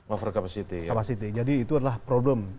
over capacity jadi itu adalah problem